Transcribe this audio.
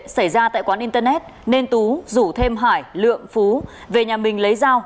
xảy ra tại quán internet nên tú rủ thêm hải lượng phú về nhà mình lấy dao